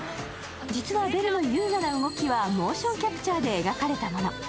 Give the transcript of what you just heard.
実はベルの優雅な動きはモーションキャプチャーで描かれたもの。